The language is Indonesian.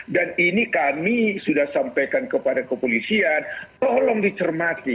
dan ini kami sudah sampaikan kepada kepolisian tolong dicermati